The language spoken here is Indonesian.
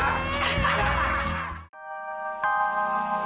kalau sampai ketinggalan pesawat gue hajar lo ya